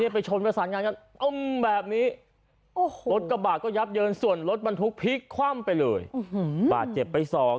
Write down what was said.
ไปชนจะอมแบบนี้รถกระบาดก็ยับเยินส่วนรถมันพลุกพลิกความไปหลื่น